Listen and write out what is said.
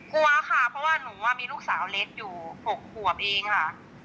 กลัวค่ะเพราะว่าหนูมีลูกสาวเล็กอยู่๖ขวบเองค่ะ